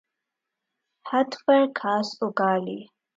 ھت پر گھاس اگا لی